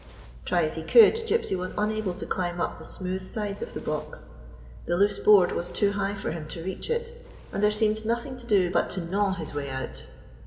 Try as he could, Gypsy was unable to climb up the smooth sides of the box; the loose board was too high for him to reach it, and there seemed nothing to do but to gnaw his way out.